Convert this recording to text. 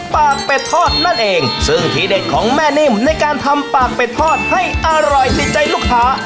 ปากเป็ดทอดนั่นเองซึ่งทีเด็ดของแม่นิ่มในการทำปากเป็ดทอดให้อร่อยติดใจลูกค้า